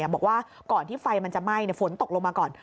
บอกว่าก่อนที่ไฟมันจะไหม้ฝนตกลงมาก่อน